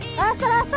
ラスト！